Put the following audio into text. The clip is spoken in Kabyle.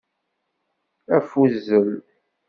Afuzzel.